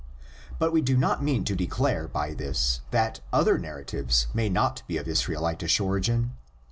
But we do not mean to declare by this that other narratives may not be of Israelitish origin.